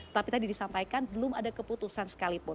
tapi tadi disampaikan belum ada keputusan sekalipun